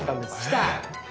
来た。